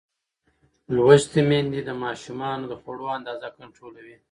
لوستې میندې د ماشومانو د خوړو اندازه کنټرولوي.